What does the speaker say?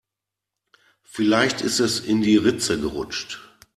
Vielleicht ist es in die Ritze gerutscht.